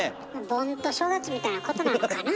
盆と正月みたいなことなのかな。